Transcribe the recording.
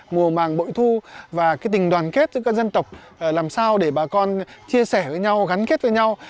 mùa màng bội thu và tình đoàn kết giữa các dân tộc làm sao để bà con chia sẻ với nhau gắn kết với nhau